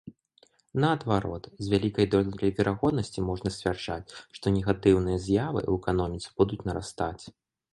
Наадварот, з вялікай доляй верагоднасці можна сцвярджаць, што негатыўныя з'явы ў эканоміцы будуць нарастаць.